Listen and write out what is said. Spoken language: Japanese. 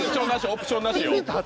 オプションなしよ。